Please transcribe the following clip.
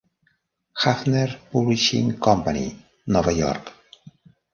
Hafner Publishing Company, Nova York.